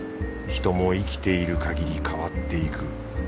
人も生きているかぎり変わっていく。